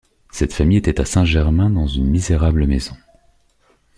Cette famille était à Saint-Germain dans une misérable maison.